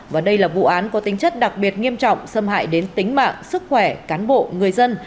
và đây là vụ án có tính chất đặc biệt nghiêm trọng xâm hại đến tính mạng sức khỏe cán bộ người dân